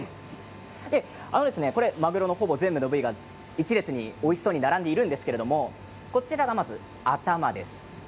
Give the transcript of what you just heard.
まぐろの全部の部位が１列においしそうに並んでいるんですがこちらが、まず頭です